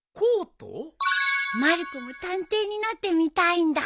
まる子も探偵になってみたいんだ。